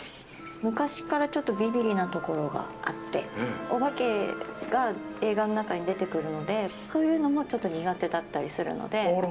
昔からちょっとびびりなところがあって、お化けが映画の中に出てくるので、そういうのもちょっと苦手だったりするので。